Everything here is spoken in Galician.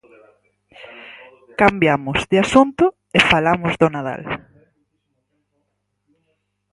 Cambiamos de asunto e falamos do Nadal.